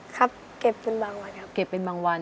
แต่ดูสดใสขึ้นนะมาครั้งที่แล้วนี่เกร็งมาก